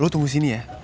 lu tunggu sini ya